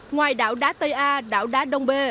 ngoài đảo đá tây a đảo đá đông b